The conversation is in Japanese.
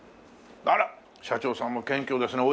あら社長さんも謙虚ですね。